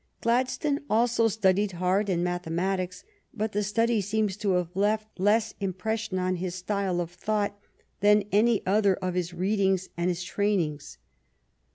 Gladstone also studied hard in mathematics, but the study seems to have left less impression on his style of thought than any other of his readings and his trainings.